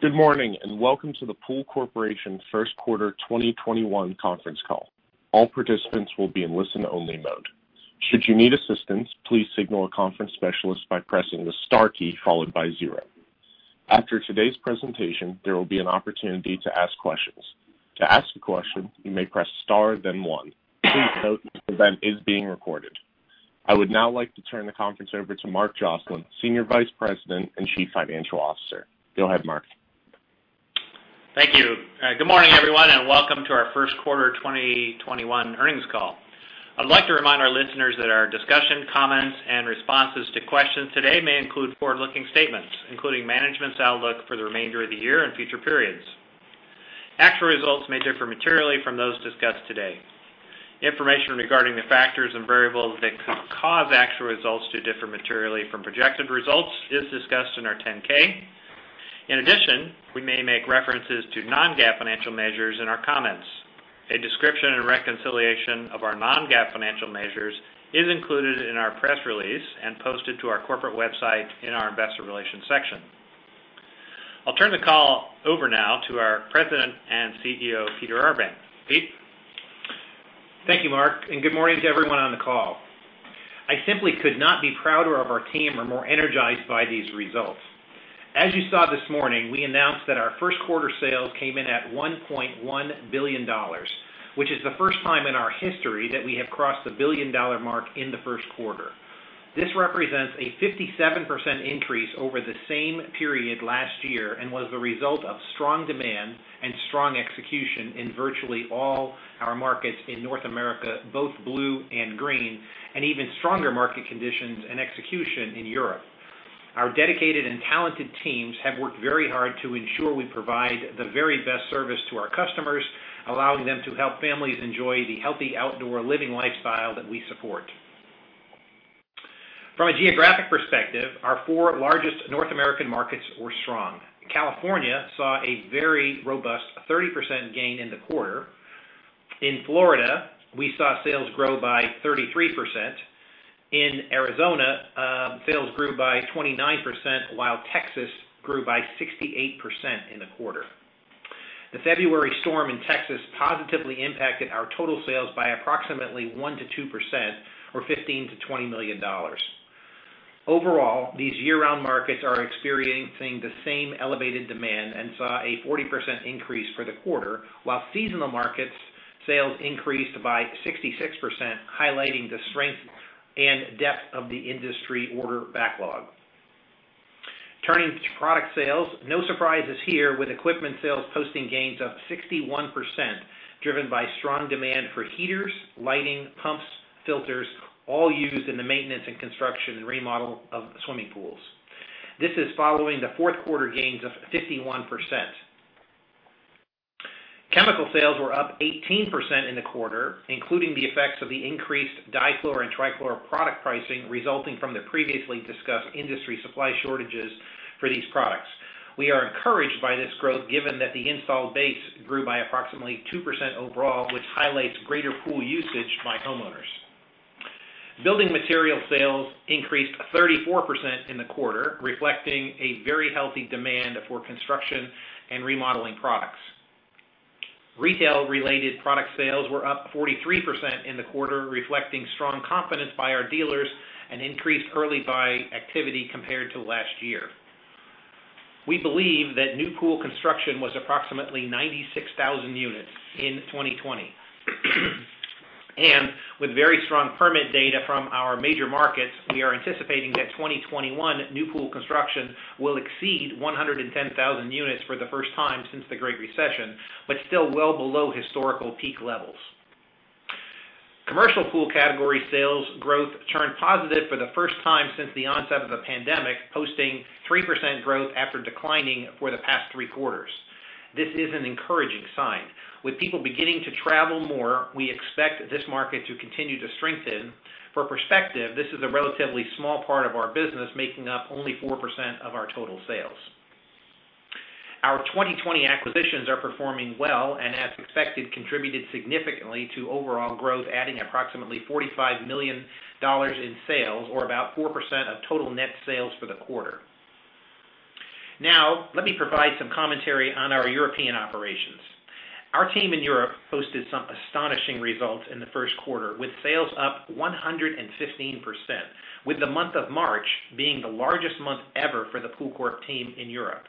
Good morning, and welcome to the Pool Corporation first quarter 2021 conference call. All participants will be in listen-only mode. Should you need assistance, please signal a conference specialist by pressing the star key followed by zero. After today's presentation, there will be an opportunity to ask questions. To ask a question, you may press star, then one. Please note this event is being recorded. I would now like to turn the conference over to Mark Joslin, Senior Vice President and Chief Financial Officer. Go ahead, Mark. Thank you. Good morning, everyone, and welcome to our first quarter 2021 earnings call. I'd like to remind our listeners that our discussion, comments, and responses to questions today may include forward-looking statements, including management's outlook for the remainder of the year and future periods. Actual results may differ materially from those discussed today. Information regarding the factors and variables that could cause actual results to differ materially from projected results is discussed in our 10-K. In addition, we may make references to non-GAAP financial measures in our comments. A description and reconciliation of our non-GAAP financial measures is included in our press release and posted to our corporate website in our investor relations section. I'll turn the call over now to our President and CEO, Peter Arvan. Pete? Thank you, Mark, and good morning to everyone on the call. I simply could not be prouder of our team or more energized by these results. As you saw this morning, we announced that our first quarter sales came in at $1.1 billion, which is the first time in our history that we have crossed the billion-dollar mark in the first quarter. This represents a 57% increase over the same period last year and was the result of strong demand and strong execution in virtually all our markets in North America, both blue and green, and even stronger market conditions and execution in Europe. Our dedicated and talented teams have worked very hard to ensure we provide the very best service to our customers, allowing them to help families enjoy the healthy outdoor living lifestyle that we support. From a geographic perspective, our four largest North American markets were strong. California saw a very robust 30% gain in the quarter. In Florida, we saw sales grow by 33%. In Arizona, sales grew by 29%, while Texas grew by 68% in the quarter. The February storm in Texas positively impacted our total sales by approximately 1%-2%, or $15 million-$20 million. Overall, these year-round markets are experiencing the same elevated demand and saw a 40% increase for the quarter, while seasonal markets sales increased by 66%, highlighting the strength and depth of the industry order backlog. Turning to product sales, no surprises here, with equipment sales posting gains of 61%, driven by strong demand for heaters, lighting, pumps, filters, all used in the maintenance and construction and remodel of swimming pools. This is following the fourth quarter gains of 51%. Chemical sales were up 18% in the quarter, including the effects of the increased dichlor and trichlor product pricing resulting from the previously discussed industry supply shortages for these products. We are encouraged by this growth given that the installed base grew by approximately 2% overall, which highlights greater pool usage by homeowners. Building material sales increased 34% in the quarter, reflecting a very healthy demand for construction and remodeling products. Retail-related product sales were up 43% in the quarter, reflecting strong confidence by our dealers and increased early buy activity compared to last year. We believe that new pool construction was approximately 96,000 units in 2020. With very strong permit data from our major markets, we are anticipating that 2021 new pool construction will exceed 110,000 units for the first time since the Great Recession, but still well below historical peak levels. Commercial pool category sales growth turned positive for the first time since the onset of the pandemic, posting 3% growth after declining for the past three quarters. This is an encouraging sign. With people beginning to travel more, we expect this market to continue to strengthen. For perspective, this is a relatively small part of our business, making up only 4% of our total sales. Our 2020 acquisitions are performing well and, as expected, contributed significantly to overall growth, adding approximately $45 million in sales or about 4% of total net sales for the quarter. Let me provide some commentary on our European operations. Our team in Europe posted some astonishing results in the first quarter, with sales up 115%, with the month of March being the largest month ever for the PoolCorp team in Europe.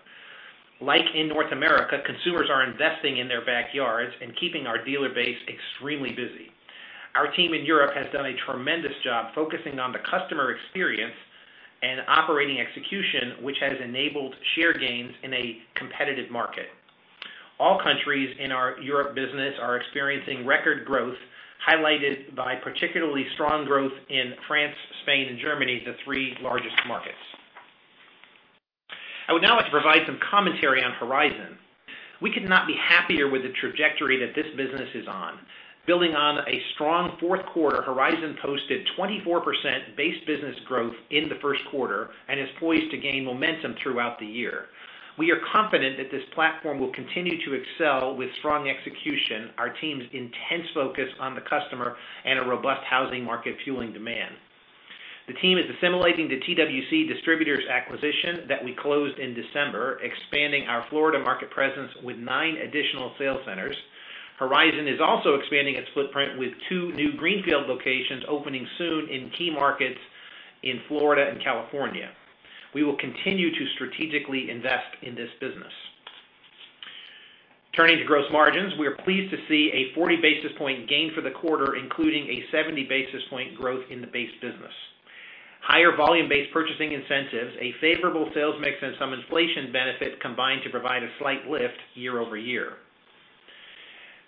Like in North America, consumers are investing in their backyards and keeping our dealer base extremely busy. Our team in Europe has done a tremendous job focusing on the customer experience and operating execution, which has enabled share gains in a competitive market. All countries in our Europe business are experiencing record growth, highlighted by particularly strong growth in France, Spain, and Germany, the three largest markets. I would now like to provide some commentary on Horizon. We could not be happier with the trajectory that this business is on. Building on a strong fourth quarter, Horizon posted 24% base business growth in the first quarter and is poised to gain momentum throughout the year. We are confident that this platform will continue to excel with strong execution, our team's intense focus on the customer, and a robust housing market fueling demand. The team is assimilating the TWC Distributors acquisition that we closed in December, expanding our Florida market presence with nine additional sales centers. Horizon is also expanding its footprint with two new greenfield locations opening soon in key markets in Florida and California. We will continue to strategically invest in this business. Turning to gross margins, we are pleased to see a 40-basis-point gain for the quarter, including a 70-basis-point growth in the base business. Higher volume-based purchasing incentives, a favorable sales mix, and some inflation benefit combined to provide a slight lift year-over-year.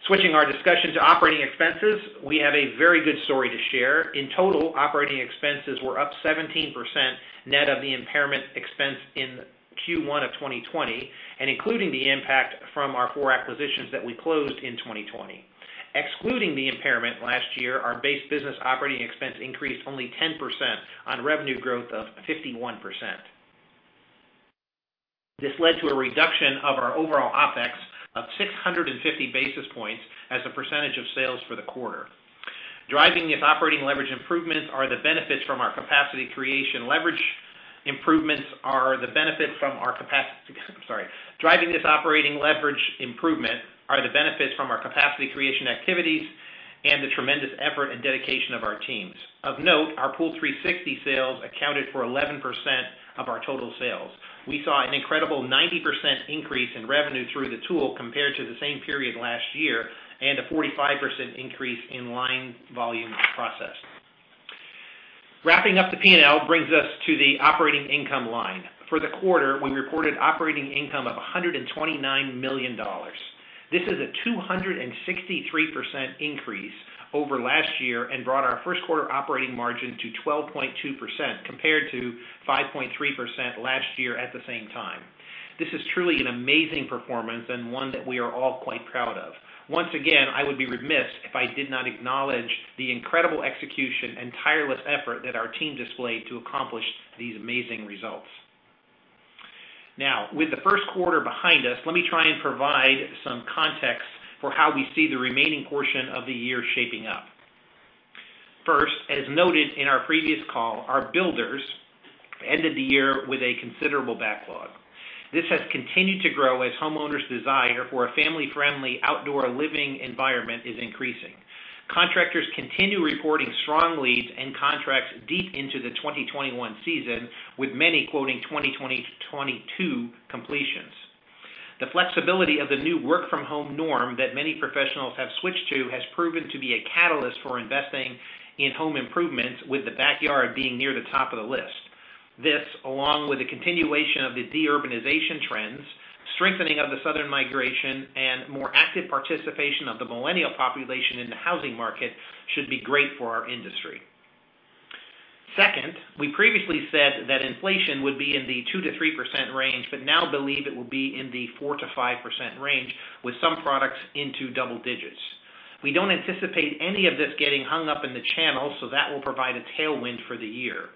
Switching our discussion to operating expenses, we have a very good story to share. In total, operating expenses were up 17% net of the impairment expense in Q1 of 2020, including the impact from our four acquisitions that we closed in 2020. Excluding the impairment last year, our base business operating expense increased only 10% on revenue growth of 51%. This led to a reduction of our overall OpEx of 650 basis points as a percentage of sales for the quarter. Driving this operating leverage improvement are the benefits from our capacity creation activities and the tremendous effort and dedication of our teams. Of note, our POOL360 sales accounted for 11% of our total sales. We saw an incredible 90% increase in revenue through the tool compared to the same period last year, and a 45% increase in line volume processed. Wrapping up the P&L brings us to the operating income line. For the quarter, we reported operating income of $129 million. This is a 263% increase over last year and brought our first quarter operating margin to 12.2%, compared to 5.3% last year at the same time. This is truly an amazing performance and one that we are all quite proud of. Once again, I would be remiss if I did not acknowledge the incredible execution and tireless effort that our team displayed to accomplish these amazing results. Now, with the first quarter behind us, let me try and provide some context for how we see the remaining portion of the year shaping up. First, as noted in our previous call, our builders ended the year with a considerable backlog. This has continued to grow as homeowners' desire for a family-friendly outdoor living environment is increasing. Contractors continue reporting strong leads and contracts deep into the 2021 season, with many quoting 2020-2022 completions. The flexibility of the new work-from-home norm that many professionals have switched to has proven to be a catalyst for investing in home improvements, with the backyard being near the top of the list. This, along with the continuation of the de-urbanization trends, strengthening of the Southern migration, and more active participation of the millennial population in the housing market, should be great for our industry. Second, we previously said that inflation would be in the 2%-3% range, but now believe it will be in the 4%-5% range, with some products into double digits. We don't anticipate any of this getting hung up in the channel, so that will provide a tailwind for the year.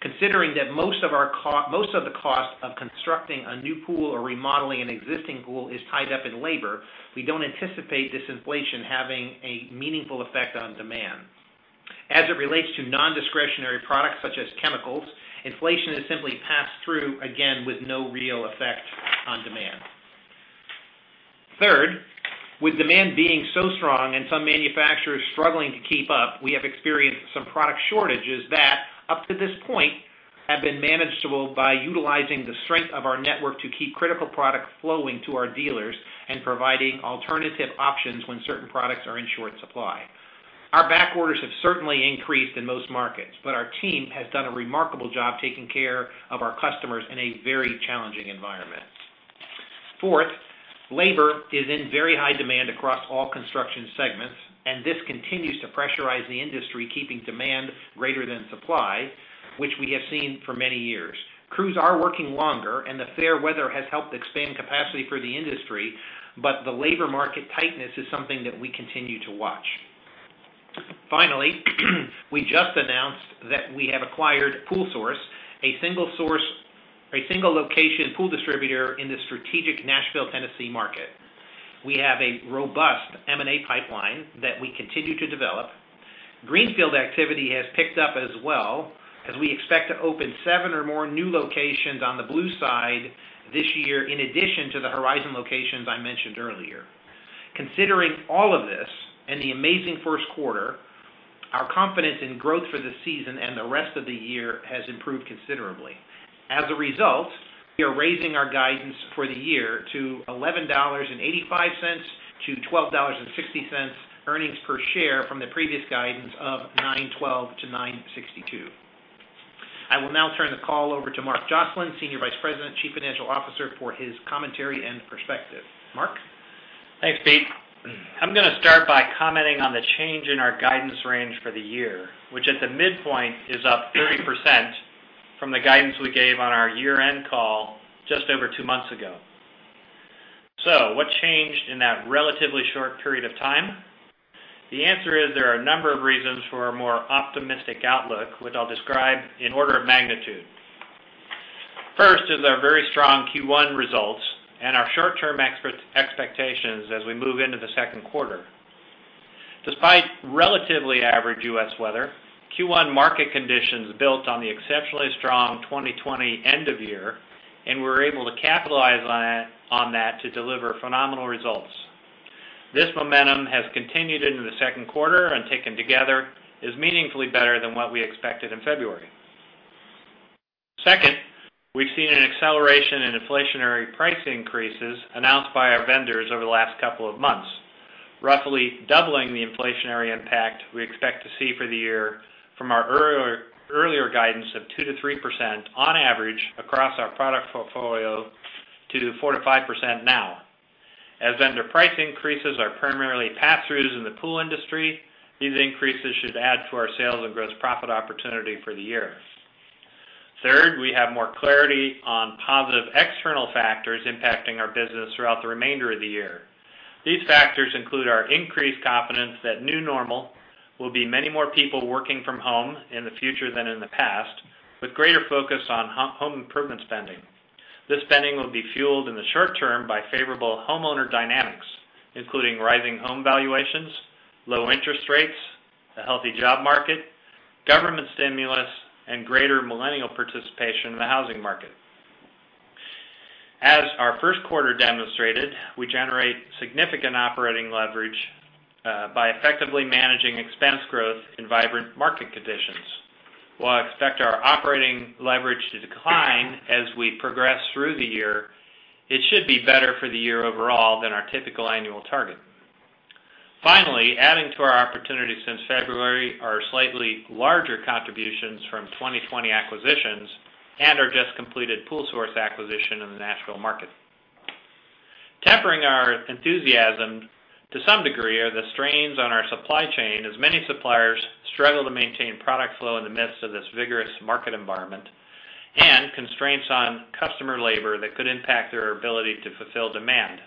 Considering that most of the cost of constructing a new pool or remodeling an existing pool is tied up in labor, we don't anticipate this inflation having a meaningful effect on demand. As it relates to non-discretionary products such as chemicals, inflation is simply passed through, again, with no real effect on demand. Third, with demand being so strong and some manufacturers struggling to keep up, we have experienced some product shortages that, up to this point, have been manageable by utilizing the strength of our network to keep critical product flowing to our dealers and providing alternative options when certain products are in short supply. Our back orders have certainly increased in most markets, but our team has done a remarkable job taking care of our customers in a very challenging environment. Fourth, labor is in very high demand across all construction segments, and this continues to pressurize the industry, keeping demand greater than supply, which we have seen for many years. Crews are working longer and the fair weather has helped expand capacity for the industry, but the labor market tightness is something that we continue to watch. Finally, we just announced that we have acquired Pool Source, a single-location pool distributor in the strategic Nashville, Tennessee market. We have a robust M&A pipeline that we continue to develop. Greenfield activity has picked up as well, as we expect to open seven or more new locations on the blue side this year, in addition to the Horizon locations I mentioned earlier. Considering all of this and the amazing first quarter, our confidence in growth for the season and the rest of the year has improved considerably. As a result, we are raising our guidance for the year to $11.85-$12.60 earnings per share from the previous guidance of $9.12-$9.62. I will now turn the call over to Mark Joslin, Senior Vice President and Chief Financial Officer, for his commentary and perspective. Mark? Thanks, Pete. I'm going to start by commenting on the change in our guidance range for the year, which at the midpoint is up 30% from the guidance we gave on our year-end call just over two months ago. What changed in that relatively short period of time? The answer is there are a number of reasons for a more optimistic outlook, which I'll describe in order of magnitude. First is our very strong Q1 results and our short-term expectations as we move into the second quarter. Despite relatively average U.S. weather, Q1 market conditions built on the exceptionally strong 2020 end of year, and we were able to capitalize on that to deliver phenomenal results. This momentum has continued into the second quarter, and taken together, is meaningfully better than what we expected in February. Second, we've seen an acceleration in inflationary price increases announced by our vendors over the last couple of months, roughly doubling the inflationary impact we expect to see for the year from our earlier guidance of 2%-3% on average across our product portfolio to 4%-5% now. As vendor price increases are primarily pass-throughs in the pool industry, these increases should add to our sales and gross profit opportunity for the year. Third, we have more clarity on positive external factors impacting our business throughout the remainder of the year. These factors include our increased confidence that new normal will be many more people working from home in the future than in the past, with greater focus on home improvement spending. This spending will be fueled in the short term by favorable homeowner dynamics, including rising home valuations, low interest rates, a healthy job market, government stimulus, and greater millennial participation in the housing market. As our first quarter demonstrated, we generate significant operating leverage by effectively managing expense growth in vibrant market conditions. While I expect our operating leverage to decline as we progress through the year, it should be better for the year overall than our typical annual target. Finally, adding to our opportunities since February are slightly larger contributions from 2020 acquisitions and our just completed Pool Source acquisition in the Nashville market. Tempering our enthusiasm to some degree are the strains on our supply chain, as many suppliers struggle to maintain product flow in the midst of this vigorous market environment, and constraints on customer labor that could impact their ability to fulfill demand.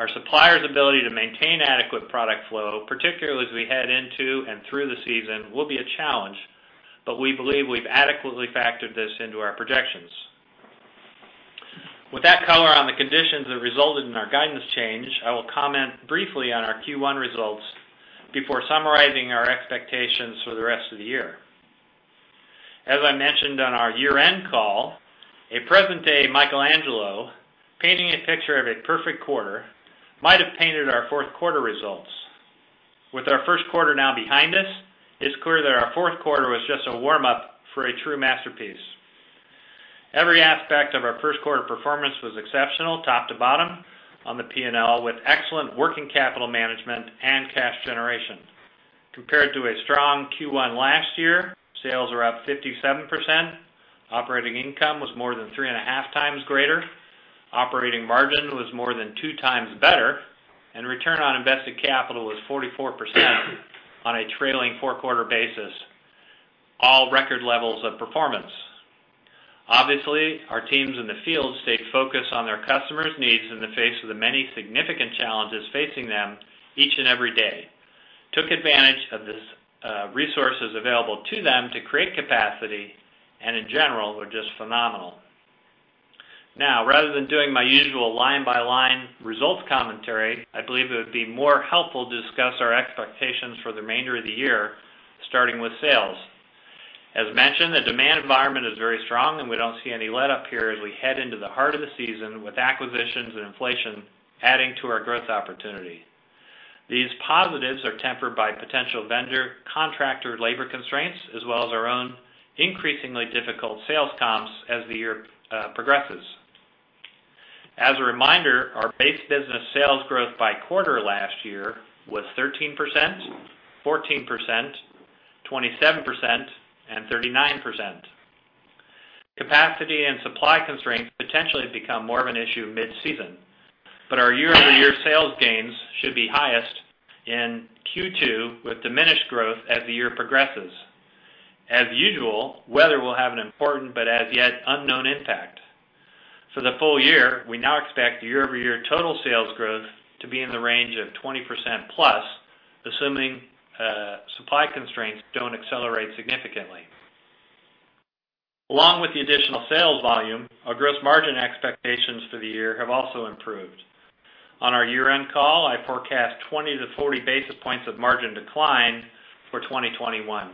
Our suppliers' ability to maintain adequate product flow, particularly as we head into and through the season, will be a challenge. We believe we've adequately factored this into our projections. With that color on the conditions that resulted in our guidance change, I will comment briefly on our Q1 results before summarizing our expectations for the rest of the year. As I mentioned on our year-end call, a present-day Michelangelo painting a picture of a perfect quarter might have painted our fourth quarter results. With our first quarter now behind us, it's clear that our fourth quarter was just a warm-up for a true masterpiece. Every aspect of our first quarter performance was exceptional, top to bottom on the P&L, with excellent working capital management and cash generation. Compared to a strong Q1 last year, sales were up 57%, operating income was more than three and a half times greater. Operating margin was more than two times better, and return on invested capital was 44% on a trailing four-quarter basis. All record levels of performance. Obviously, our teams in the field stayed focused on their customers' needs in the face of the many significant challenges facing them each and every day, took advantage of the resources available to them to create capacity, and in general, were just phenomenal. Rather than doing my usual line-by-line results commentary, I believe it would be more helpful to discuss our expectations for the remainder of the year, starting with sales. As mentioned, the demand environment is very strong, and we don't see any letup here as we head into the heart of the season with acquisitions and inflation adding to our growth opportunity. These positives are tempered by potential vendor contractor labor constraints, as well as our own increasingly difficult sales comps as the year progresses. As a reminder, our base business sales growth by quarter last year was 13%, 14%, 27%, and 39%. Capacity and supply constraints potentially become more of an issue mid-season, but our year-over-year sales gains should be highest in Q2, with diminished growth as the year progresses. As usual, weather will have an important but as-yet unknown impact. For the full year, we now expect year-over-year total sales growth to be in the range of 20% plus, assuming supply constraints don't accelerate significantly. Along with the additional sales volume, our gross margin expectations for the year have also improved. On our year-end call, I forecast 20-40 basis points of margin decline for 2021.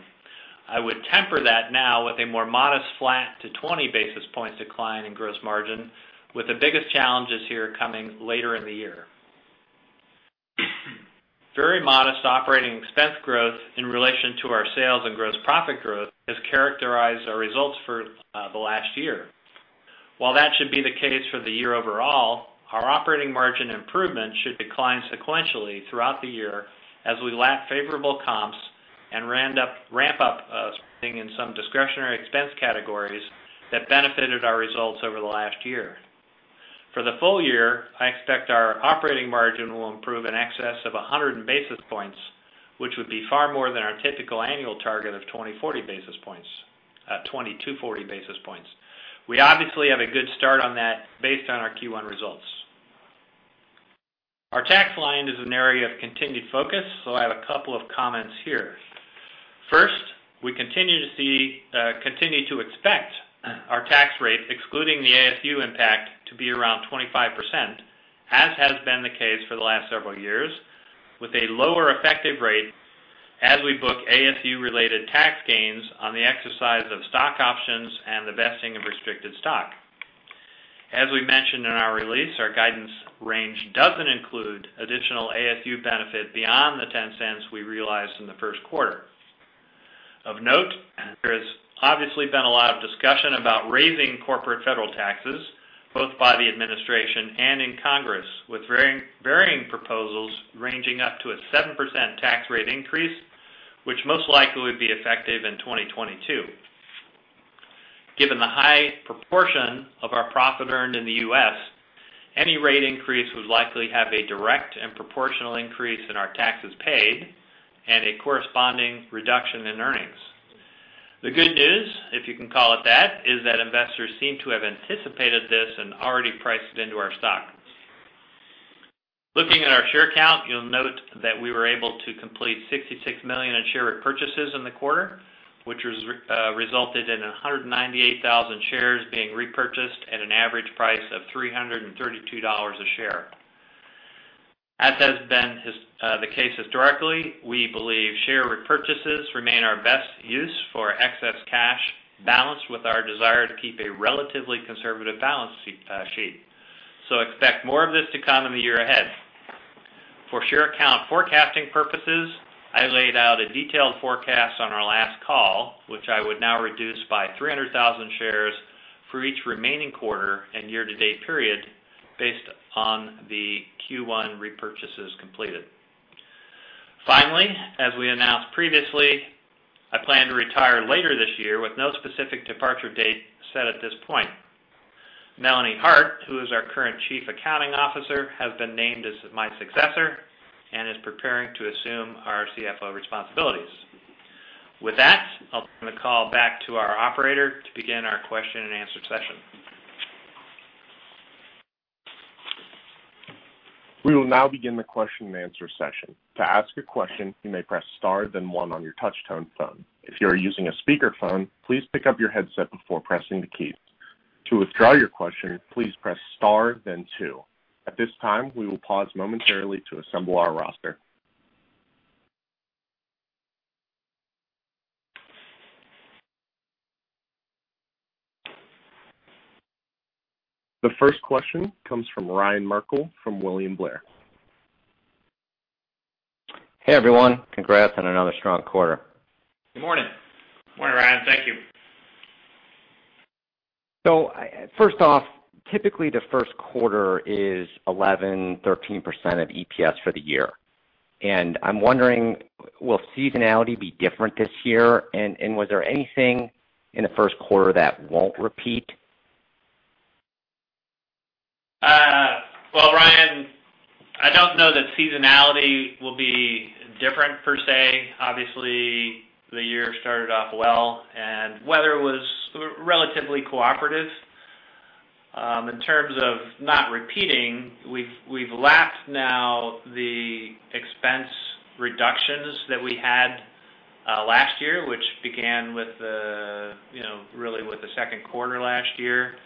I would temper that now with a more modest flat to 20 basis points decline in gross margin, with the biggest challenges here coming later in the year. Very modest operating expense growth in relation to our sales and gross profit growth has characterized our results for the last year. While that should be the case for the year overall, our operating margin improvement should decline sequentially throughout the year as we lap favorable comps and ramp up spending in some discretionary expense categories that benefited our results over the last year. For the full year, I expect our operating margin will improve in excess of 100 basis points, which would be far more than our typical annual target of 20 to 40 basis points. We obviously have a good start on that based on our Q1 results. Our tax line is an area of continued focus, so I have a couple of comments here. First, we continue to expect our tax rate, excluding the ASU impact, to be around 25%, as has been the case for the last several years, with a lower effective rate as we book ASU-related tax gains on the exercise of stock options and the vesting of restricted stock. As we mentioned in our release, our guidance range doesn't include additional ASU benefit beyond the $0.10 we realized in the first quarter. Of note, there's obviously been a lot of discussion about raising corporate federal taxes, both by the administration and in Congress, with varying proposals ranging up to a 7% tax rate increase, which most likely would be effective in 2022. Given the high proportion of our profit earned in the U.S., any rate increase would likely have a direct and proportional increase in our taxes paid and a corresponding reduction in earnings. The good news, if you can call it that, is that investors seem to have anticipated this and already priced it into our stock. Looking at our share count, you'll note that we were able to complete 66 million in share repurchases in the quarter, which has resulted in 198,000 shares being repurchased at an average price of $332 a share. As has been the case historically, we believe share repurchases remain our best use for excess cash balance, with our desire to keep a relatively conservative balance sheet. Expect more of this to come in the year ahead. For share count forecasting purposes, I laid out a detailed forecast on our last call, which I would now reduce by 300,000 shares for each remaining quarter and year-to-date period based on the Q1 repurchases completed. Finally, as we announced previously, I plan to retire later this year with no specific departure date set at this point. Melanie Hart, who is our current Chief Accounting Officer, has been named as my successor and is preparing to assume our CFO responsibilities. With that, I'll turn the call back to our operator to begin our question and answer session. We will now begin the question and answer session. To ask the question, you may press star then one on your touch-tone phone. If you using a speaker phone please pick up your headset before pressing the key. To withdraw your question please press star then two. At this time, we will pause momentarily to assemble our roster. The first question comes from Ryan Merkel from William Blair. Hey everyone. Congrats on another strong quarter. Good morning. Morning, Ryan. Thank you. First off, typically the first quarter is 11%, 13% of EPS for the year. I'm wondering, will seasonality be different this year, and was there anything in the first quarter that won't repeat? Well, Ryan, I don't know that seasonality will be different, per se. Obviously, the year started off well, and weather was relatively cooperative. In terms of not repeating, we've lapped now the expense reductions that we had last year, which began really with the second quarter last year,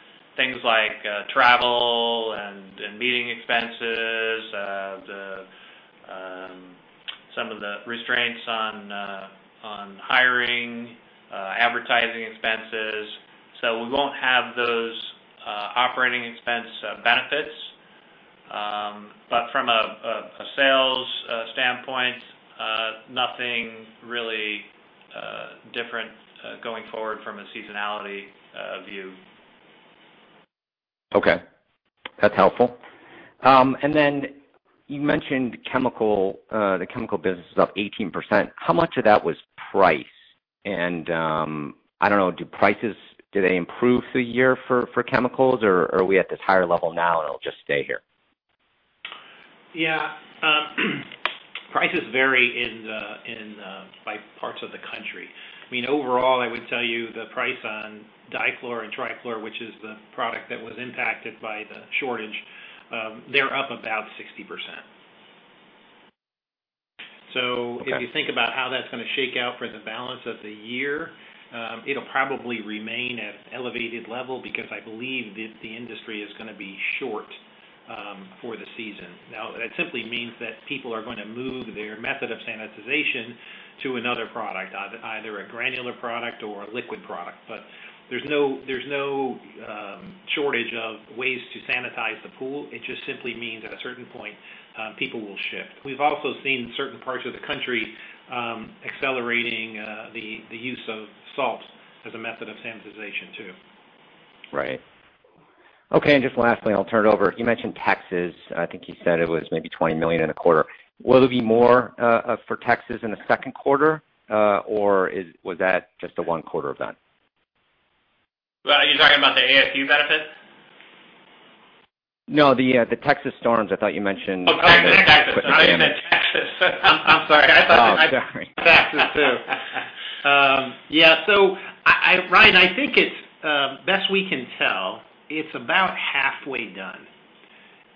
things like travel and meeting expenses, some of the restraints on hiring, advertising expenses. We won't have those operating expense benefits. From a sales standpoint, nothing really different going forward from a seasonality view. Okay, that's helpful. You mentioned the chemical business is up 18%. How much of that was price? I don't know, do prices improve through the year for chemicals, or are we at this higher level now and it'll just stay here? Yeah. Prices vary by parts of the country. Overall, I would tell you the price on dichlor and trichlor, which is the product that was impacted by the shortage, they're up about 60%. Okay. If you think about how that's going to shake out for the balance of the year, it'll probably remain at elevated level because I believe the industry is going to be short for the season. That simply means that people are going to move their method of sanitization to another product, either a granular product or a liquid product. There's no shortage of ways to sanitize the pool. It just simply means at a certain point, people will shift. We've also seen certain parts of the country accelerating the use of salt as a method of sanitization too. Right. Okay, just lastly, I'll turn it over. You mentioned taxes. I think you said it was maybe $20 million in a quarter. Will there be more for taxes in the second quarter, or was that just a one-quarter event? You're talking about the ASU benefit? No, the Texas storms. I thought you mentioned. Oh, Texas. Texas putting damage. I thought you meant taxes. I'm sorry. Oh, sorry. I thought taxes too. Yeah. Ryan, I think it's, best we can tell, it's about halfway done.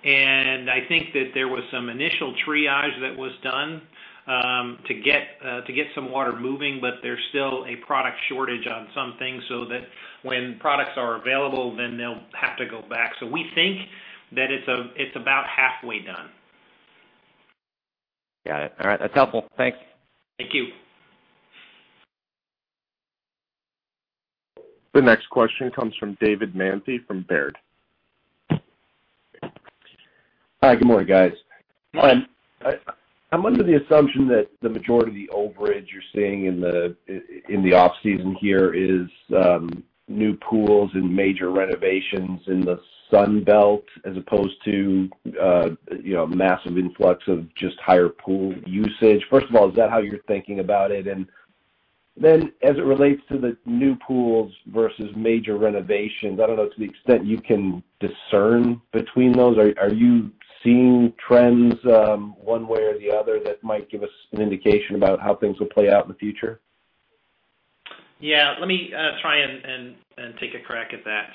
I think that there was some initial triage that was done to get some water moving. There's still a product shortage on some things, so that when products are available, then they'll have to go back. We think that it's about halfway done. Got it. All right. That's helpful. Thanks. Thank you. The next question comes from David Manthey from Baird. Hi. Good morning, guys. I'm under the assumption that the majority of the overage you're seeing in the off-season here is new pools and major renovations in the Sun Belt, as opposed to massive influx of just higher pool usage. First of all, is that how you're thinking about it? As it relates to the new pools versus major renovations, I don't know to the extent you can discern between those. Are you seeing trends one way or the other that might give us an indication about how things will play out in the future? Yeah, let me try and take a crack at that.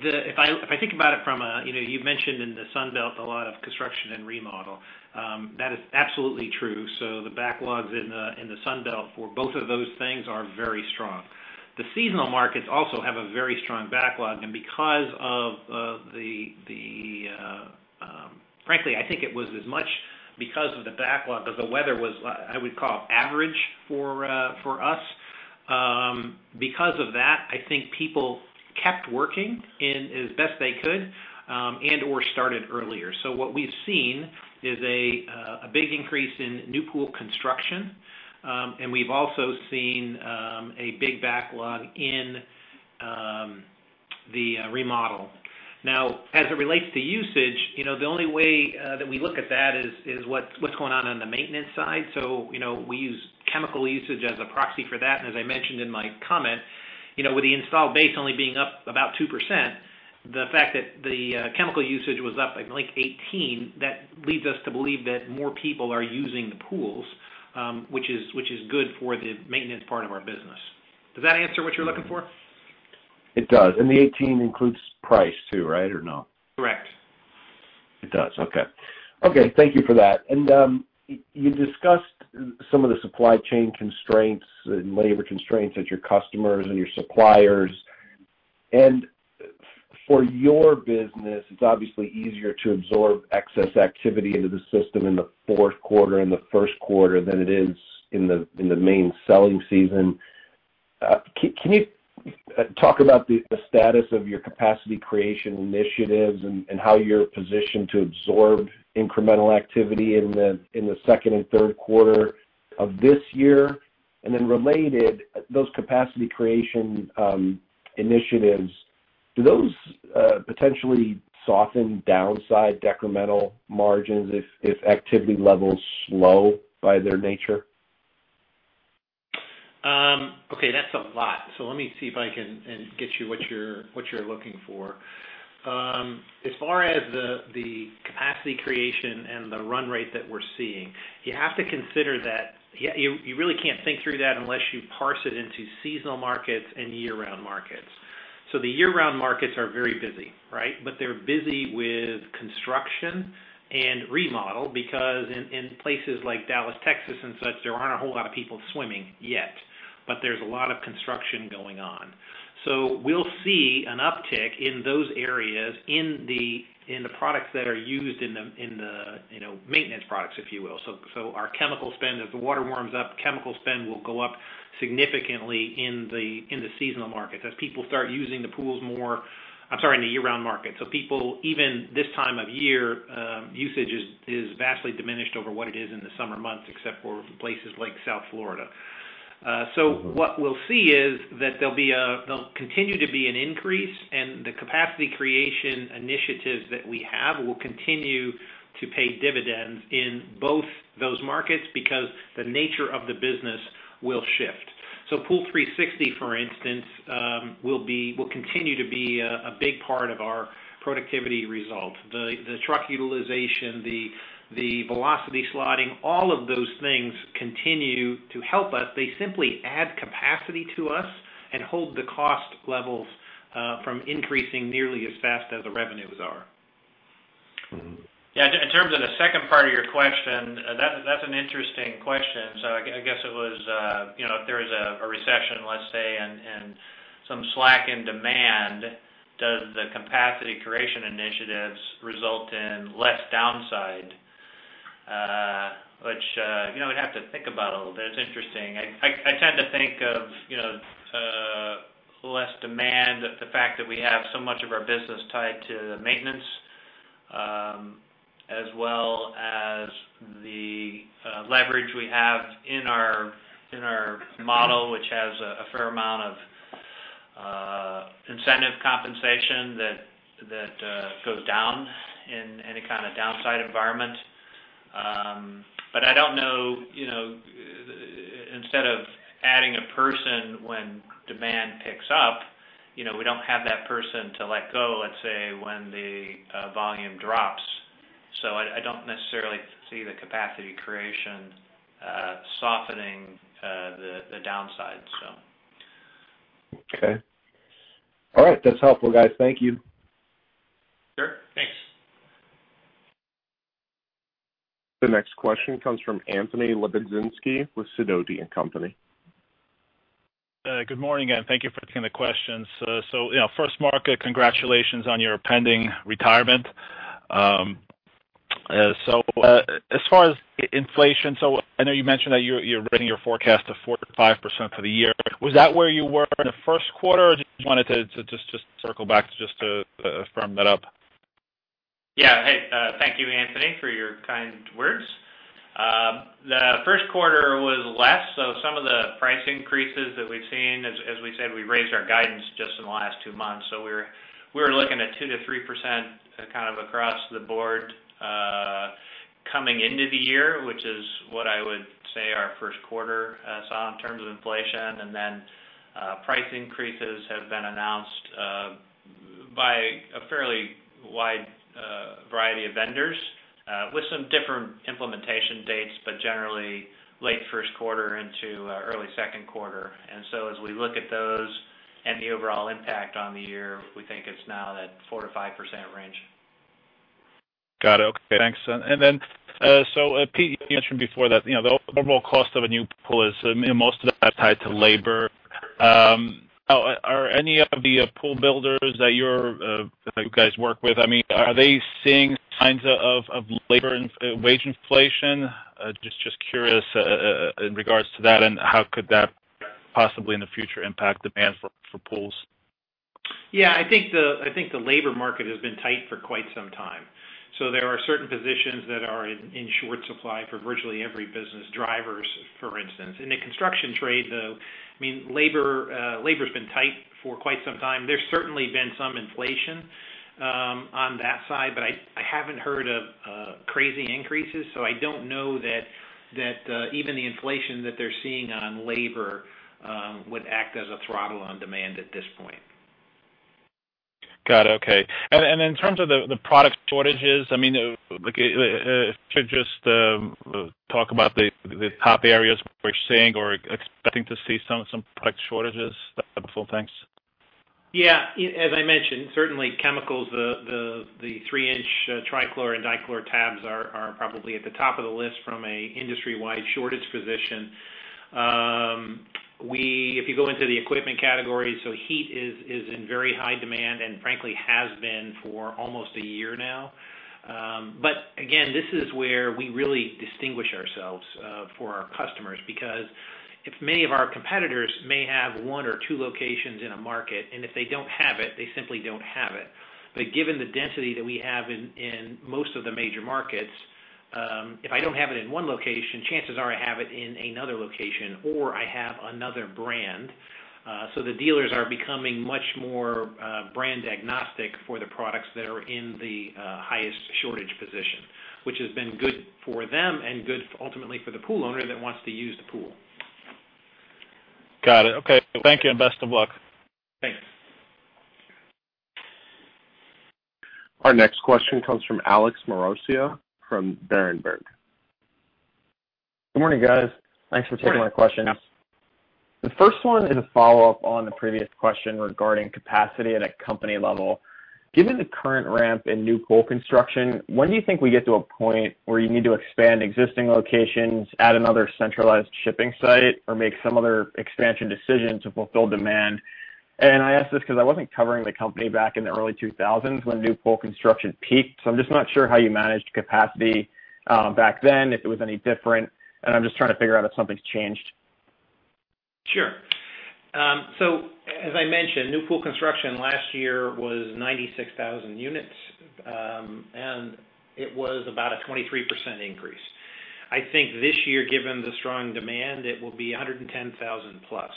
If I think about it from a-- you mentioned in the Sun Belt, a lot of construction and remodel. That is absolutely true. The backlogs in the Sun Belt for both of those things are very strong. The seasonal markets also have a very strong backlog, and frankly, I think it was as much because of the backlog as the weather was, I would call, average for us. Because of that, I think people kept working as best they could, and/or started earlier. What we've seen is a big increase in new pool construction. We've also seen a big backlog in the remodel. Now, as it relates to usage, the only way that we look at that is what's going on on the maintenance side. We use chemical usage as a proxy for that. As I mentioned in my comment, with the install base only being up about 2%, the fact that the chemical usage was up, I think, 18%, that leads us to believe that more people are using the pools, which is good for the maintenance part of our business. Does that answer what you're looking for? It does. The 18 includes price too, right or no? Correct. It does. Okay. Thank you for that. You discussed some of the supply chain constraints and labor constraints at your customers and your suppliers. For your business, it's obviously easier to absorb excess activity into the system in the fourth quarter and the first quarter than it is in the main selling season. Can you talk about the status of your capacity creation initiatives and how you're positioned to absorb incremental activity in the second and third quarter of this year? Then related, those capacity creation initiatives, do those potentially soften downside decremental margins if activity levels slow by their nature? Okay, that's a lot. Let me see if I can get you what you're looking for. As far as the capacity creation and the run rate that we're seeing, you have to consider that you really can't think through that unless you parse it into seasonal markets and year-round markets. The year-round markets are very busy, right? They're busy with construction and remodel because in places like Dallas, Texas, and such, there aren't a whole lot of people swimming yet, but there's a lot of construction going on. We'll see an uptick in those areas in the products that are used, in the maintenance products, if you will. Our chemical spend, as the water warms up, chemical spend will go up significantly as people start using the pools more in the year-round market. People, even this time of year, usage is vastly diminished over what it is in the summer months except for places like South Florida. What we'll see is that there'll continue to be an increase, and the capacity creation initiatives that we have will continue to pay dividends in both those markets because the nature of the business will shift. POOL360, for instance, will continue to be a big part of our productivity result. The truck utilization, the velocity slotting, all of those things continue to help us. They simply add capacity to us and hold the cost levels from increasing nearly as fast as the revenues are. Yeah, in terms of the second part of your question, that's an interesting question. I guess it was, if there was a recession, let's say, and some slack in demand, does the capacity creation initiatives result in less downside? Which we'd have to think about a little bit. It's interesting. I tend to think of less demand, the fact that we have so much of our business tied to the maintenance, as well as the leverage we have in our model, which has a fair amount of incentive compensation that goes down in any kind of downside environment. I don't know. Instead of adding a person when demand picks up, we don't have that person to let go, let's say, when the volume drops. I don't necessarily see the capacity creation softening the downside. Okay. All right. That's helpful, guys. Thank you. Sure. Thanks. The next question comes from Anthony Lebiedzinski with Sidoti & Company. Good morning, and thank you for taking the questions. First, Mark, congratulations on your pending retirement. As far as inflation, I know you mentioned that you're running your forecast of 4%-5% for the year. Was that where you were in the first quarter? I just wanted to circle back just to firm that up. Yeah. Hey, thank you, Anthony, for your kind words. The first quarter was less, some of the price increases that we've seen, as we said, we raised our guidance just in the last two months. We're looking at 2%-3% kind of across the board coming into the year, which is what I would say our first quarter saw in terms of inflation. Price increases have been announced by a fairly wide variety of vendors with some different implementation dates, but generally late first quarter into early second quarter. As we look at those and the overall impact on the year, we think it's now that 4%-5% range. Got it. Okay, thanks. Pete, you mentioned before that the overall cost of a new pool is most of that's tied to labor. Are any of the pool builders that you guys work with, are they seeing signs of labor and wage inflation? Just curious in regards to that, how could that possibly in the future impact demand for pools? Yeah, I think the labor market has been tight for quite some time. There are certain positions that are in short supply for virtually every business. Drivers, for instance. In the construction trade, though, labor's been tight for quite some time. There's certainly been some inflation on that side, but I haven't heard of crazy increases, so I don't know that even the inflation that they're seeing on labor would act as a throttle on demand at this point. Got it. Okay. In terms of the product shortages, if you could just talk about the top areas where you're seeing or expecting to see some product shortages. That'd be helpful. Thanks. Yeah. As I mentioned, certainly chemicals, the three-inch trichlor and dichlor tabs are probably at the top of the list from a industry-wide shortage position. If you go into the equipment category, heat is in very high demand and frankly has been for almost a year now. Again, this is where we really distinguish ourselves for our customers, because if many of our competitors may have one or two locations in a market, and if they don't have it, they simply don't have it. Given the density that we have in most of the major markets, if I don't have it in one location, chances are I have it in another location or I have another brand. The dealers are becoming much more brand agnostic for the products that are in the highest shortage position, which has been good for them and good ultimately for the pool owner that wants to use the pool. Got it. Okay. Thank you, and best of luck. Thanks. Our next question comes from Alex Maroccia from Berenberg. Good morning, guys. Thanks for taking my questions. Good morning. Yeah. The first one is a follow-up on the previous question regarding capacity at a company level. Given the current ramp in new pool construction, when do you think we get to a point where you need to expand existing locations, add another centralized shipping site, or make some other expansion decision to fulfill demand? I ask this because I wasn't covering the company back in the early 2000s when new pool construction peaked. I'm just not sure how you managed capacity back then, if it was any different, and I'm just trying to figure out if something's changed. Sure. As I mentioned, new pool construction last year was 96,000 units. It was about a 23% increase. I think this year, given the strong demand, it will be 110,000 plus.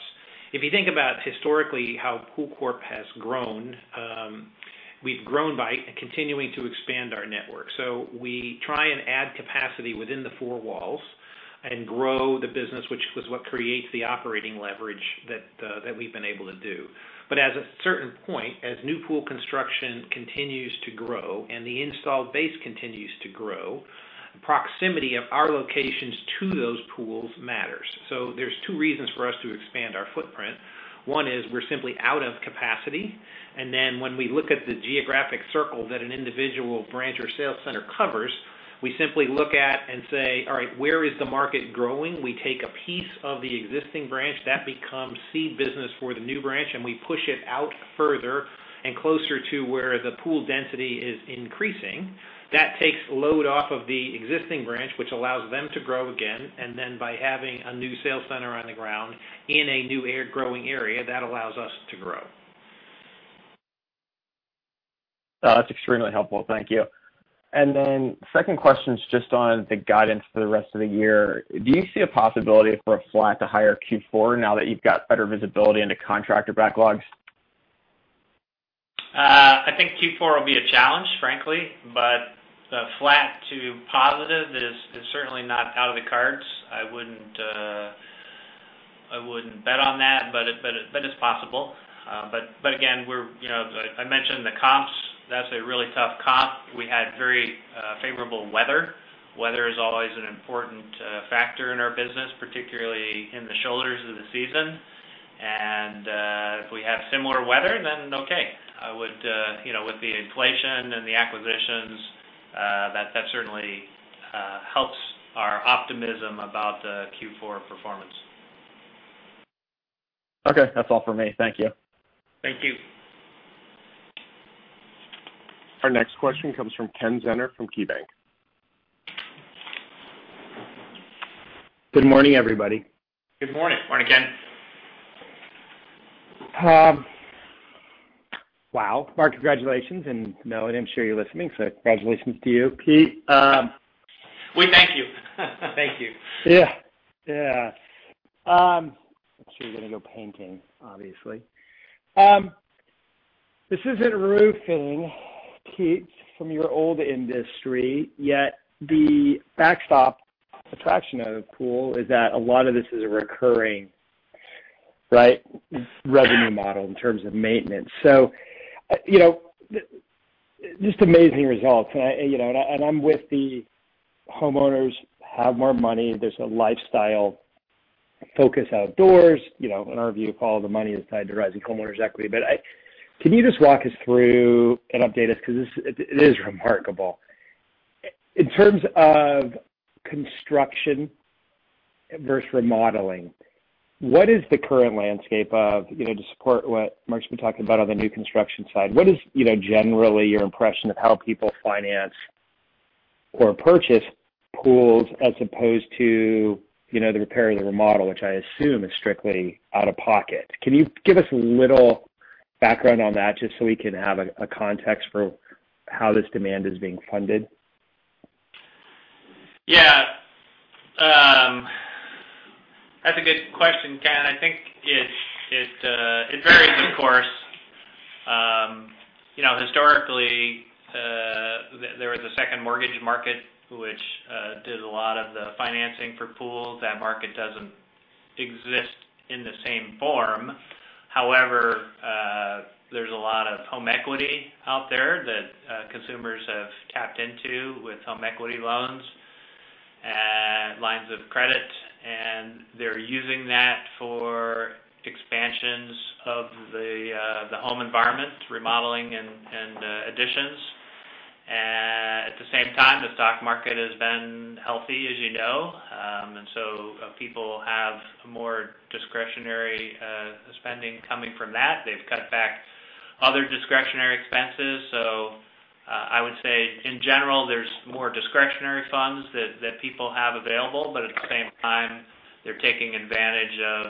If you think about historically how PoolCorp has grown, we've grown by continuing to expand our network. We try and add capacity within the four walls and grow the business, which was what creates the operating leverage that we've been able to do. At a certain point, as new pool construction continues to grow and the installed base continues to grow, proximity of our locations to those pools matters. There's two reasons for us to expand our footprint. One is we're simply out of capacity, and then when we look at the geographic circle that an individual branch or sales center covers, we simply look at and say, "All right, where is the market growing?" We take a piece of the existing branch, that becomes seed business for the new branch, and we push it out further and closer to where the pool density is increasing. That takes load off of the existing branch, which allows them to grow again, and then by having a new sales center on the ground in a new growing area, that allows us to grow. That's extremely helpful. Thank you. Second question is just on the guidance for the rest of the year. Do you see a possibility for a flat to higher Q4 now that you've got better visibility into contractor backlogs? I think Q4 will be a challenge, frankly, but flat to positive is certainly not out of the cards. I wouldn't bet on that, but it's possible. Again, I mentioned the comps. That's a really tough comp. We had very favorable weather. Weather is always an important factor in our business, particularly in the shoulders of the season. If we have similar weather, then okay. With the inflation and the acquisitions, that certainly helps our optimism about Q4 performance. Okay. That's all for me. Thank you. Thank you. Our next question comes from Ken Zener from KeyBanc. Good morning, everybody. Good morning. Morning, Ken. Wow. Mark, congratulations. Melanie, I'm sure you're listening, so congratulations to you. We thank you. Thank you. Yeah. I'm sure you're going to go painting, obviously. This isn't roofing, Pete, from your old industry, yet the backstop attraction of the pool is that a lot of this is a recurring, right, revenue model in terms of maintenance. Just amazing results. I'm with the homeowners have more money. There's a lifestyle focus outdoors. In our view, all the money is tied to rising homeowners' equity. Can you just walk us through and update us, because it is remarkable. In terms of construction versus remodeling, what is the current landscape of, to support what Mark's been talking about on the new construction side, what is generally your impression of how people finance or purchase pools as opposed to the repair or the remodel, which I assume is strictly out of pocket? Can you give us a little background on that, just so we can have a context for how this demand is being funded? Yeah. That's a good question, Ken. I think it varies, of course. Historically, there was a second mortgage market, which did a lot of the financing for pools. That market doesn't exist in the same form. However, there's a lot of home equity out there that consumers have tapped into with home equity loans and lines of credit, and they're using that for expansions of the home environment, remodeling, and additions. At the same time, the stock market has been healthy, as you know. People have more discretionary spending coming from that. They've cut back other discretionary expenses. I would say, in general, there's more discretionary funds that people have available. At the same time, they're taking advantage of,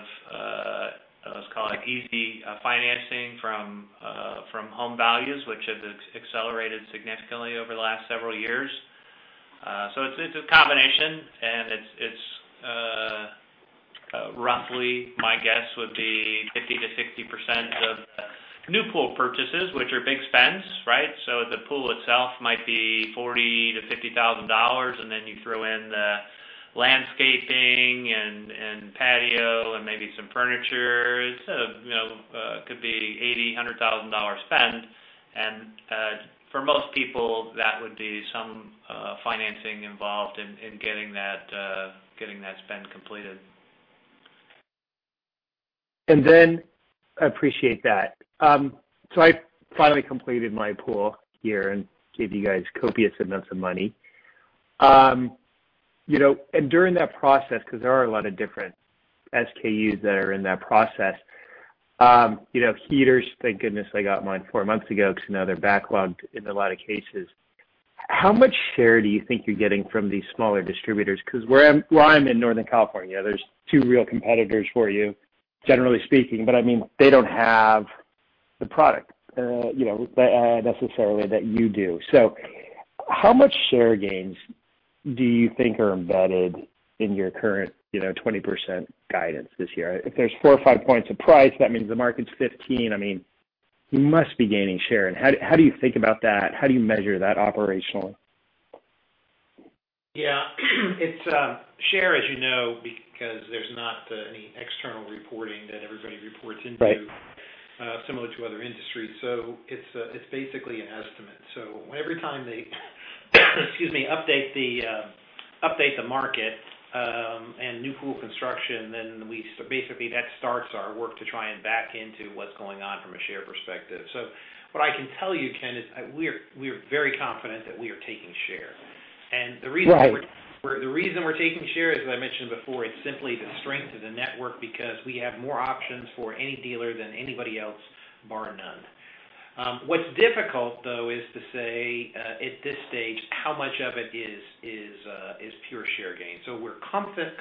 let's call it easy financing from home values, which has accelerated significantly over the last several years. It's a combination, and it's roughly, my guess, would be 50%-60% of new pool purchases, which are big spends, right? The pool itself might be $40,000-$50,000, and then you throw in the landscaping and patio and maybe some furniture. It could be $80,000, $100,000 spend, and for most people, that would be some financing involved in getting that spend completed. I appreciate that. I finally completed my pool here and gave you guys copious amounts of money. During that process, because there are a lot of different SKUs that are in that process, heaters, thank goodness I got mine four months ago, because now they're backlogged in a lot of cases. How much share do you think you're getting from these smaller distributors? Where I'm in Northern California, there's two real competitors for you, generally speaking, but they don't have the product necessarily that you do. How much share gains do you think are embedded in your current 20% guidance this year? If there's four or five points of price, that means the market's 15. You must be gaining share, how do you think about that? How do you measure that operationally? Yeah. Share, as you know, because there's not any external reporting that everybody reports into. Right. Similar to other industries. It's basically an estimate. Every time they, excuse me, update the market and new pool construction, then basically that starts our work to try and back into what's going on from a share perspective. What I can tell you, Ken, is we are very confident that we are taking share. Right. We're taking share is, as I mentioned before, it's simply the strength of the network, because we have more options for any dealer than anybody else, bar none. What's difficult, though, is to say, at this stage, how much of it is pure share gain. We're confident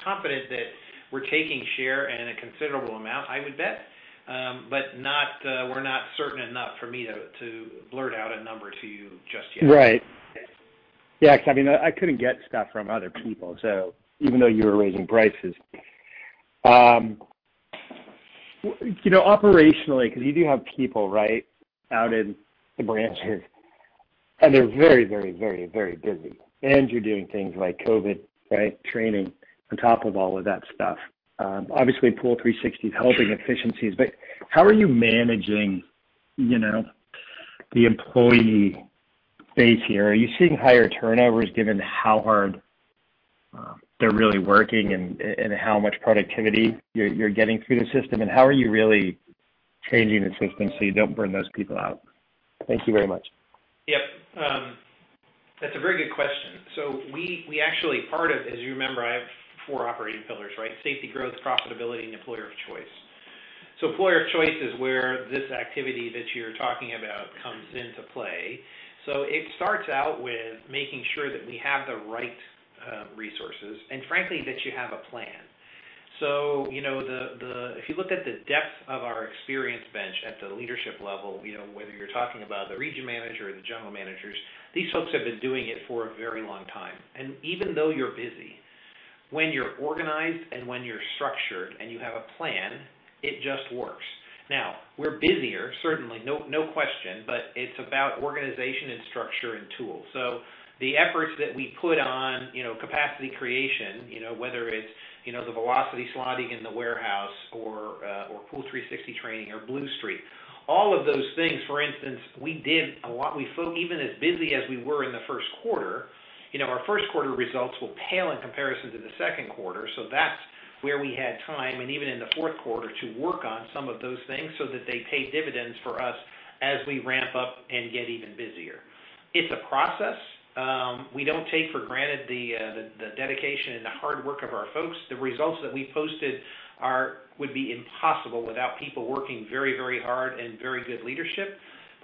that we're taking share and a considerable amount, I would bet. We're not certain enough for me to blurt out a number to you just yet. Right. Yeah, Ken, I couldn't get stuff from other people. Even though you were raising prices. Operationally, because you do have people out in the branches, and they're very busy, and you're doing things like COVID training on top of all of that stuff. Obviously, POOL360 is helping efficiencies, but how are you managing the employee base here? Are you seeing higher turnovers given how hard they're really working and how much productivity you're getting through the system? How are you really changing the system so you don't burn those people out? Thank you very much. Yep. That's a very good question. Actually, as you remember, I have four operating pillars: safety, growth, profitability, and employer of choice. Employer of choice is where this activity that you're talking about comes into play. It starts out with making sure that we have the right resources and frankly, that you have a plan. If you look at the depth of our experience bench at the leadership level, whether you're talking about the region manager or the general managers, these folks have been doing it for a very long time. Even though you're busy, when you're organized and when you're structured and you have a plan, it just works. Now, we're busier, certainly, no question, but it's about organization and structure and tools. The efforts that we put on capacity creation, whether it's the velocity slotting in the warehouse or POOL360 training or Blue Streak, all of those things. For instance, even as busy as we were in the first quarter, our first quarter results will pale in comparison to the second quarter. That's where we had time, and even in the fourth quarter, to work on some of those things so that they pay dividends for us as we ramp up and get even busier. It's a process. We don't take for granted the dedication and the hard work of our folks. The results that we posted would be impossible without people working very hard and very good leadership.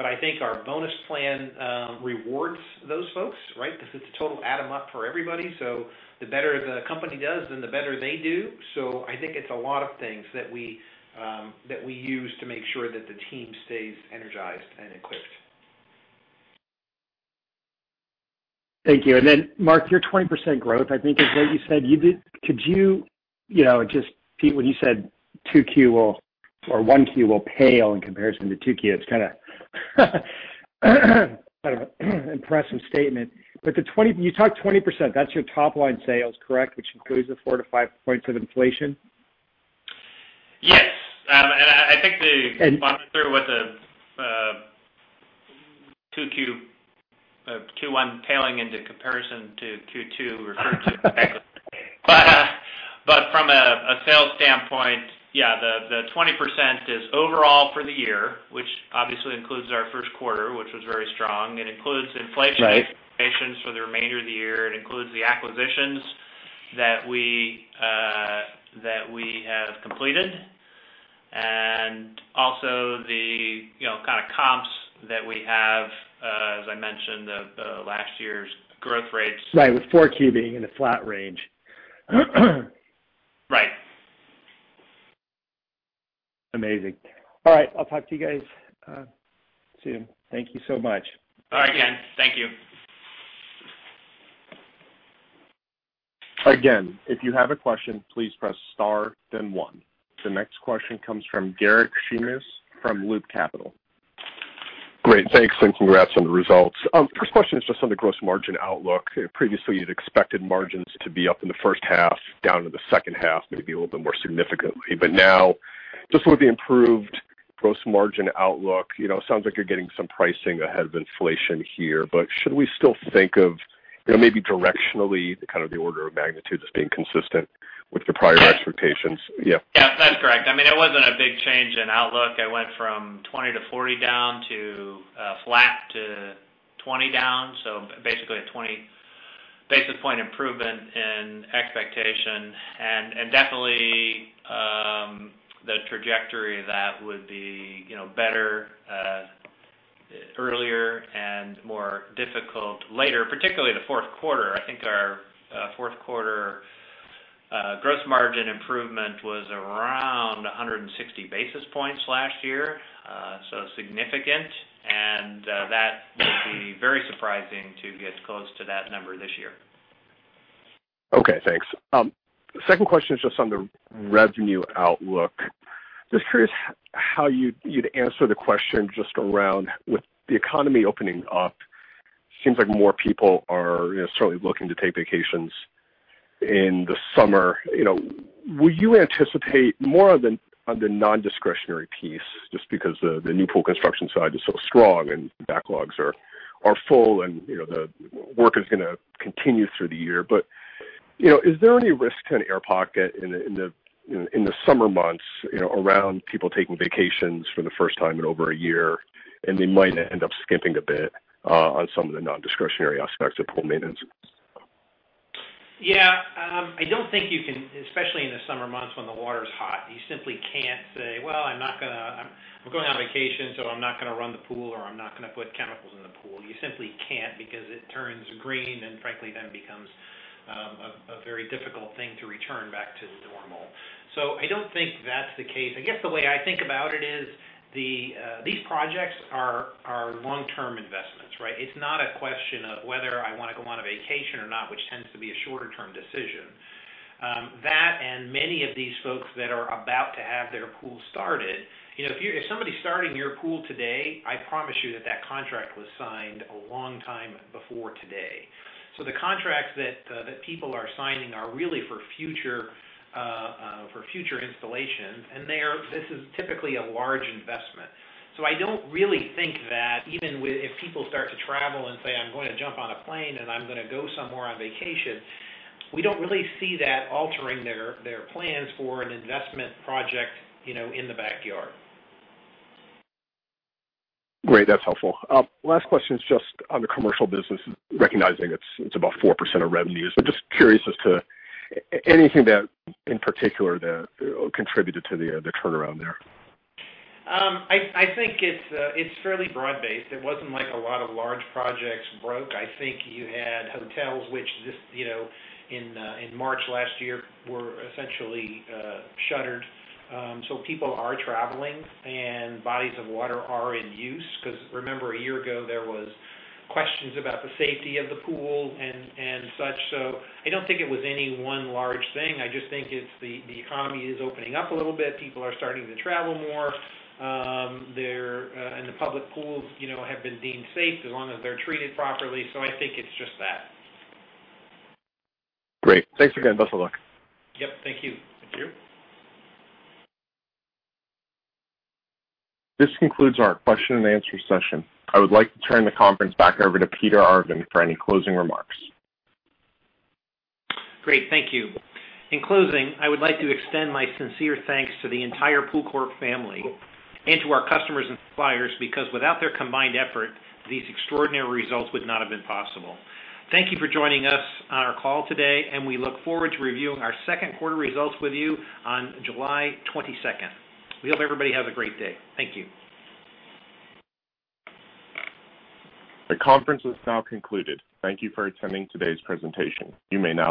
But I think our bonus plan rewards those folks because it's a total add 'em up for everybody. The better the company does, then the better they do. I think it's a lot of things that we use to make sure that the team stays energized and equipped. Thank you. Mark, your 20% growth, I think, is what you said. When you said 1Q will pale in comparison to 2Q, it's kind of an impressive statement. You talked 20%. That's your top-line sales, correct, which includes the four to five points of inflation? Yes. I think the sponsor with the 1Q 2021 paling into comparison toQ2 referred to. From a sales standpoint, the 20% is overall for the year, which obviously includes our first quarter, which was very strong. It includes inflation. Right. Expectations for the remainder of the year. It includes the acquisitions that we have completed and also the kind of comps that we have, as I mentioned, of last year's growth rates. Right, with 4Q being in a flat range. Right. Amazing. All right, I'll talk to you guys soon. Thank you so much. All right, Ken. Thank you. Again, if you have a question, please press star then one. The next question comes from Garik Shmois from Loop Capital. Great. Thanks, congrats on the results. First question is just on the gross margin outlook. Previously, you'd expected margins to be up in the first half, down in the second half, maybe a little bit more significantly. Now, just with the improved gross margin outlook, sounds like you're getting some pricing ahead of inflation here, but should we still think of maybe directionally the kind of the order of magnitude as being consistent with your prior expectations? Yeah. Yeah, that's correct. It wasn't a big change in outlook. I went from 20 to 40 down to flat to 20 down, so basically a 20 basis point improvement in expectation. Definitely, the trajectory that would be better earlier and more difficult later, particularly the fourth quarter. I think our fourth quarter gross margin improvement was around 160 basis points last year, so significant, and that would be very surprising to get close to that number this year. Okay, thanks. Second question is just on the revenue outlook. Just curious how you'd answer the question just around with the economy opening up, seems like more people are certainly looking to take vacations in the summer. Will you anticipate more of the non-discretionary piece just because the new pool construction side is so strong and backlogs are full and the work is going to continue through the year? Is there any risk to an air pocket in the summer months around people taking vacations for the first time in over a year, and they might end up skimping a bit on some of the non-discretionary aspects of pool maintenance? Yeah. I don't think you can, especially in the summer months when the water's hot, you simply can't say, "Well, I'm going on vacation, so I'm not going to run the pool," or, "I'm not going to put chemicals in the pool." You simply can't because it turns green and frankly then becomes a very difficult thing to return back to normal. I don't think that's the case. I guess the way I think about it is these projects are long-term investments, right? It's not a question of whether I want to go on a vacation or not, which tends to be a shorter-term decision. That and many of these folks that are about to have their pool started. If somebody's starting your pool today, I promise you that contract was signed a long time before today. The contracts that people are signing are really for future installations. This is typically a large investment. I don't really think that, even if people start to travel and say, "I'm going to jump on a plane, and I'm going to go somewhere on vacation," we don't really see that altering their plans for an investment project in the backyard. Great. That's helpful. Last question is just on the commercial business, recognizing it's about 4% of revenues. I'm just curious as to anything that, in particular, that contributed to the turnaround there. I think it's fairly broad-based. It wasn't like a lot of large projects broke. I think you had hotels, which in March last year were essentially shuttered. People are traveling, and bodies of water are in use, because remember a year ago, there was questions about the safety of the pool and such. I don't think it was any one large thing. I just think it's the economy is opening up a little bit. People are starting to travel more. The public pools have been deemed safe as long as they're treated properly. I think it's just that. Great. Thanks again. Best of luck. Yep. Thank you. Thank you. This concludes our question and answer session. I would like to turn the conference back over to Peter Arvan for any closing remarks. Great. Thank you. In closing, I would like to extend my sincere thanks to the entire PoolCorp family and to our customers and suppliers, because without their combined effort, these extraordinary results would not have been possible. Thank you for joining us on our call today, and we look forward to reviewing our second quarter results with you on July 22nd. We hope everybody has a great day. Thank you. The conference is now concluded. Thank you for attending today's presentation. You may now leave.